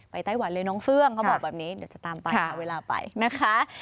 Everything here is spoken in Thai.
ไต้หวันเลยน้องเฟื่องเขาบอกแบบนี้เดี๋ยวจะตามไปหาเวลาไปนะคะ